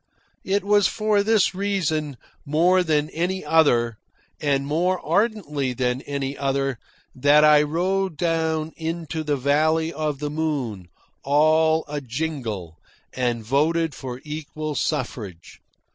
It was for this reason, more than any other, and more ardently than any other, that I rode down into the Valley of the Moon, all a jingle, and voted for equal suffrage.